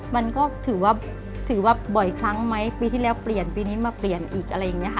มันก็ถือว่าถือว่าบ่อยครั้งไหมปีที่แล้วเปลี่ยนปีนี้มาเปลี่ยนอีกอะไรอย่างนี้ค่ะ